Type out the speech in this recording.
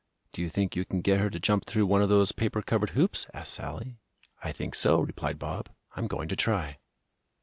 "Do you think you can get her to jump through one of those paper covered hoops?" asked Sallie. "I think so," replied Bob. "I'm going to try."